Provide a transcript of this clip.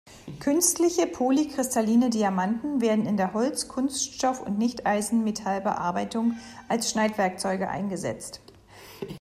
Künstliche polykristalline Diamanten werden in der Holz-, Kunststoff- und Nichteisenmetall-Bearbeitung als Schneidwerkzeuge eingesetzt.